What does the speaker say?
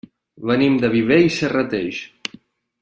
Venim de Viver i Serrateix.